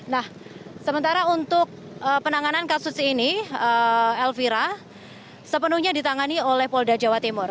nah sementara untuk penanganan kasus ini elvira sepenuhnya ditangani oleh polda jawa timur